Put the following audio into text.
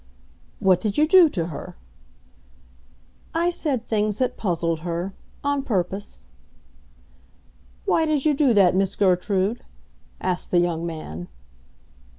"What did you do to her?" "I said things that puzzled her—on purpose." "Why did you do that, Miss Gertrude?" asked the young man.